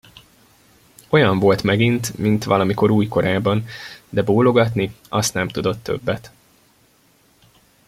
Olyan volt megint, mint valamikor új korában, de bólogatni, azt nem tudott többet.